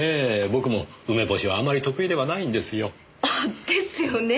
僕も梅干しはあまり得意ではないんですよ。ですよね。